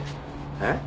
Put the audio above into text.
えっ？